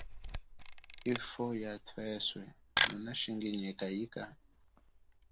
Ifwo ya tweswe, nunashinginyeka ika?